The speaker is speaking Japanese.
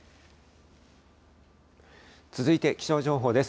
続いて気象情報です。